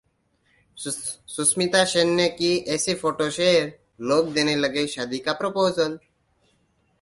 सुष्मिता सेन ने की ऐसी फोटो शेयर, लोग देने लगे शादी का प्रपोजल